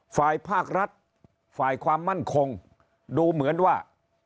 ฝ่ายภาครัฐฝ่ายความมั่นคงดูเหมือนว่า